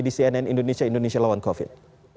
di cnn indonesia indonesia lawan covid